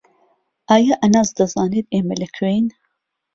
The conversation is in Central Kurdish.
ئایا ئەنەس دەزانێت ئێمە لەکوێین؟